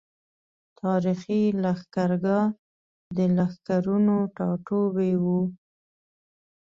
تاريخي لښکرګاه د لښکرونو ټاټوبی وو۔